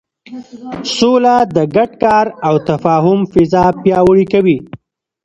سوله د ګډ کار او تفاهم فضا پیاوړې کوي.